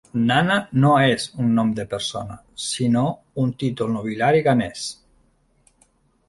Nana no és un nom de persona, sinó un títol nobiliari ghanès.